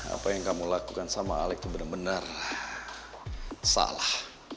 apa yang kamu lakukan sama alex itu benar benar salah